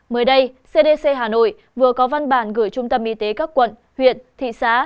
mới đây cdc hà nội vừa có văn bản gửi trung tâm y tế các quận huyện thị xã